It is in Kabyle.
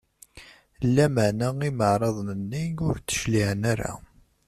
Lameɛna imeɛraḍen-nni ur d-cliɛen ara.